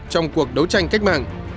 trong cuộc đấu tranh cách mạng